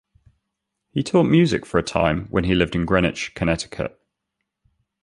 He taught music for a time when he lived in Greenwich, Connecticut.